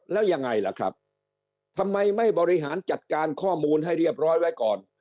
แล้วยังไงล่ะครับทำไมไม่บริหารจัดการข้อมูลให้เรียบร้อยไว้ก่อน